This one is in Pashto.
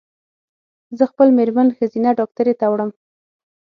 زه خپل مېرمن ښځېنه ډاکټري ته وړم